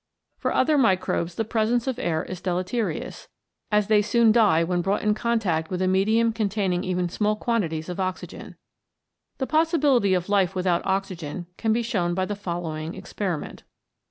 For other microbes the presence of air is deleterious, as they soon die when brought in contact with a medium containing even only small quantities of oxygen. The possibility of life without oxygen can be shown by the following experiment.